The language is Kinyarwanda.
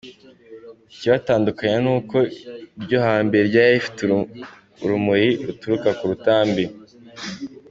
Ikibitandukanya ni uko iryo hambere ryari rifite urumuri ruturuka ku rutambi.